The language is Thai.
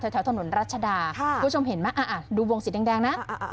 แถวถนนรัชดาคุณผู้ชมเห็นไหมอ่ะอ่ะดูวงสีแดงนะอ่ะอ่ะ